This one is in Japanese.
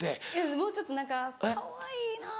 もうちょっと何か「かわいいなぁ」。